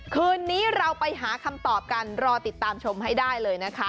คืนนี้เราไปหาคำตอบกันรอติดตามชมให้ได้เลยนะคะ